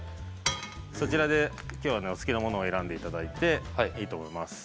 そちらでお好きなものを選んでいただいていいと思います。